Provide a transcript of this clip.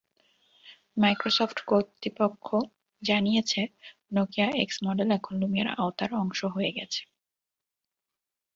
Microsoft কর্তৃপক্ষ জানিয়েছে, Nokia X model এখন লুমিয়ার আওতার অংশ হয়ে গেছে।